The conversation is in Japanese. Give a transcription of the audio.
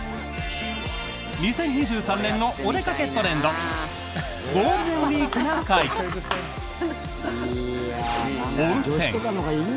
２０２３年のお出かけトレンド「ゴールデンウィークな会」。温泉。